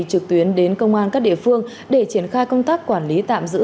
trực tuyến đến công an các địa phương để triển khai công tác quản lý tạm giữ